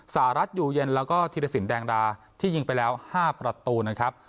สหรัฐอยู่เย็นแล้วก็ธีรสินแดงดาที่ยิงไปแล้ว๕ประตูนะครับ